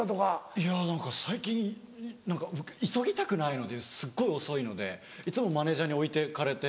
いや何か最近何か僕急ぎたくないのですっごい遅いのでいつもマネジャーに置いてかれて。